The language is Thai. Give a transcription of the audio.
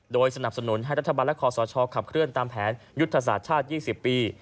โดยสนับสนุนให้รัฐบาลและคอสชขับเคลื่อนตามแผนยุทธศาสตร์ชาติ๒๐ปี